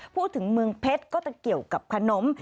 พูดถึงเมืองเพชรก็จะเกี่ยวกับขนม